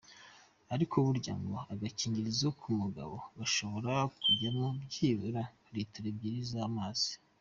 Ariko burya ngo agakingirizo k’umugabo gashobora kujyamo byibura litiro ebyiri z’amazi.